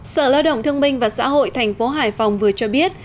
sở lao động thương minh và xã hội thành phố hải phòng vừa cho biết